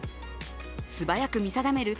素早く見定める